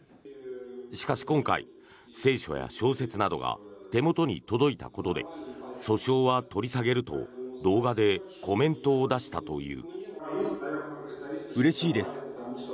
しかし、今回、聖書や小説などが手元に届いたことで訴訟は取り下げると動画でコメントを出したという。